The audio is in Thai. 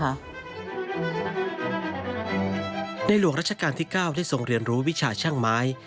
หลวงราชการที่๙ได้ทรงเรียนรู้วิชาช่างไม้